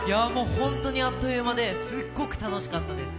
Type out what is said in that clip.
ホントにあっという間で、すごく楽しかったです。